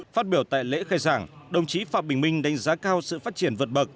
phát biểu tại lễ khai giảng đồng chí phạm bình minh đánh giá cao sự phát triển vượt bậc